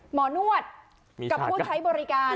หมอนวดกับผู้ใช้บริการ